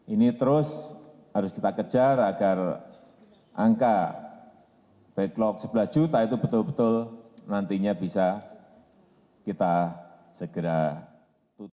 ini terus harus kita kejar agar angka backlog sebelas juta itu betul betul nantinya bisa kita segera tutup